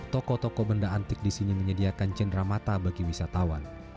toko toko benda antik di sini menyediakan cendera mata bagi wisatawan